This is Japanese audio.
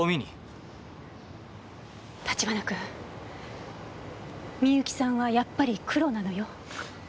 立花君みゆきさんはやっぱりクロなのよ。